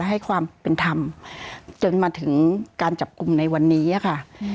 ให้ความเป็นธรรมจนมาถึงการจับกลุ่มในวันนี้ค่ะ